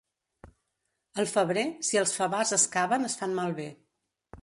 Al febrer, si els favars es caven es fan malbé.